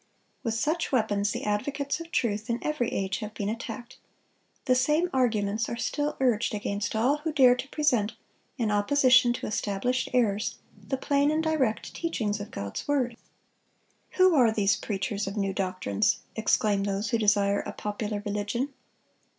(202) With such weapons the advocates of truth in every age have been attacked. The same arguments are still urged against all who dare to present, in opposition to established errors, the plain and direct teachings of God's word. "Who are these preachers of new doctrines?" exclaim those who desire a popular religion.